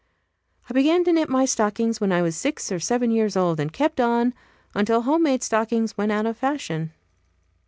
I began to knit my own stockings when I ways six or seven years old, and kept on, until home made stockings went out of fashion.